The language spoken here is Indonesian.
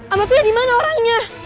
ambo pilih dimana orangnya